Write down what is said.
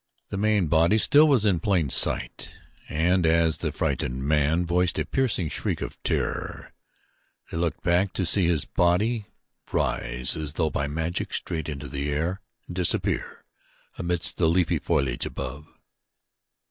The main body still was in plain sight, and as the frightened man voiced a piercing shriek of terror, they looked back to see his body rise as though by magic straight into the air and disappear amidst the leafy foliage above.